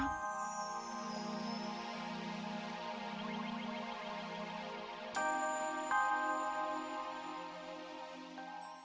mama kenapa sekali jadi mendukung afif sama bella sih